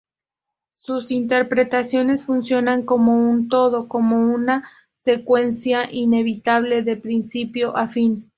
Sus interpretaciones funcionan como un todo, como una secuencia inevitable de principio a fin.